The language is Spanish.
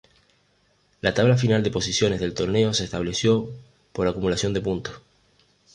La tabla final de posiciones del torneo se estableció por acumulación de puntos.